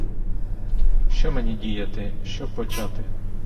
Що мені діяти, що почати?